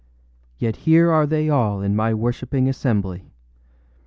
Yet here are they all in my worshipping assembly.